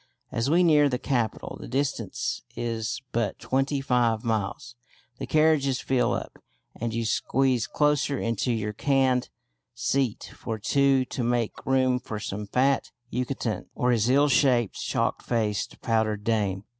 As we near the capital (the distance is but twenty five miles) the carriages fill up, and you squeeze closer into your caned seat for two to make room for some fat Yucatecan or his ill shaped, chalk faced powdered dame.